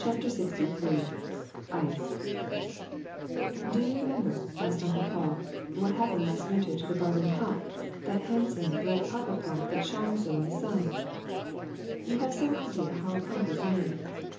'^ ii D CHAPTER LXIII ICE you remember/' asked Uncle Paul, *^wliat happened last winter to the garden pump — that handsome red copper pump that shines so in the sun 1 You have some idea how a pump is made.